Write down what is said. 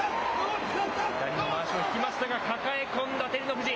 左のまわしを引きましたが、抱え込んだ照ノ富士。